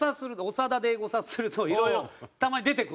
「長田」でエゴサするといろいろたまに出てくるんですよ。